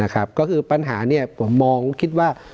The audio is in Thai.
ก็คือปัญหาผมมองคิดว่า